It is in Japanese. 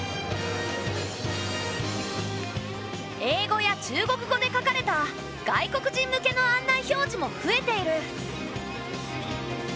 英語や中国語で書かれた外国人向けの案内表示も増えている。